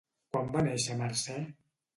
Quan va néixer Mercè?